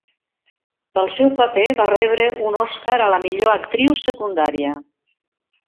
Pel seu paper va rebre un Oscar a la millor actriu secundària.